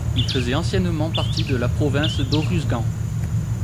Il faisait anciennement partie de la province d'Oruzgan.